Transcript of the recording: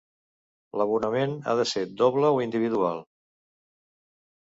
L'abonament ha de ser doble o individual?